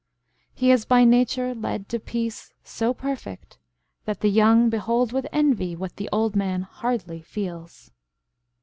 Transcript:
He is by nature led To peace so perfect, that the young behold With envy, what the old man hardly feels.